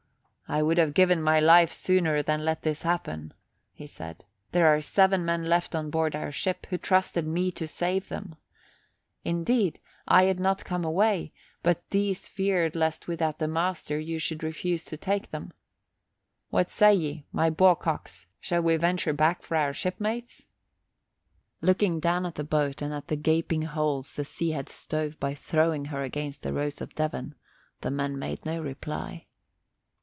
"I would have given my life sooner than let this happen," he said. "There are seven men left on board our ship, who trusted me to save them. Indeed, I had not come away but these feared lest without the master you should refuse to take them. What say ye, my baw cocks, shall we venture back for our shipmates?" Looking down at the boat and at the gaping holes the sea had stove by throwing her against the Rose of Devon, the men made no reply.